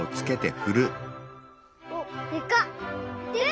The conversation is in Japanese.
おっでかっ！